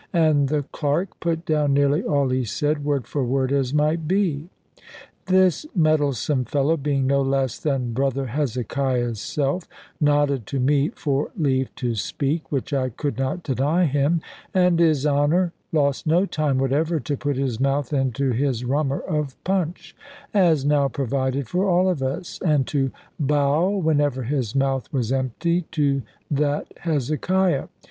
And the clerk put down nearly all he said, word for word, as might be. This meddlesome fellow (being no less than brother Hezekiah's self) nodded to me for leave to speak, which I could not deny him; and his Honour lost no time whatever to put his mouth into his rummer of punch, as now provided for all of us, and to bow (whenever his mouth was empty) to that Hezekiah.